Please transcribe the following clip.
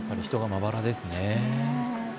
人がまばらですね。